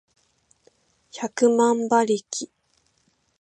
百万馬力